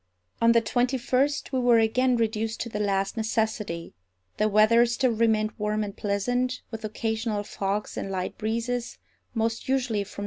On the twenty first we were again reduced to the last necessity. The weather still remained warm and pleasant, with occasional fogs and light breezes, most usually from N.